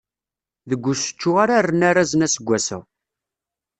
Deg usečču ara rren arazen aseggas-a.